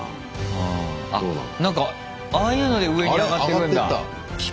あなんかああいうので上にあがってくんだ。